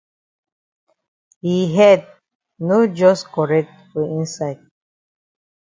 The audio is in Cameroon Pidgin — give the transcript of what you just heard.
Yi head no jus correct for inside.